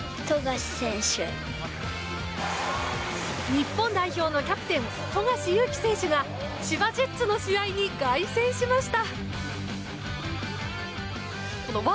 日本代表のキャプテン富樫勇樹選手が千葉ジェッツの試合に凱旋しました。